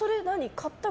買ったの？